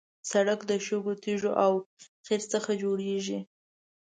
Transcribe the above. سړک د شګو، تیږو او قیر څخه جوړېږي.